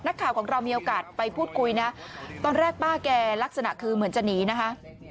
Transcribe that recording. นักข่าวของเรามีโอกาสไปพูดคุยนะตอนแรกป้าแกลักษณะคือเหมือนจะหนีนะคะ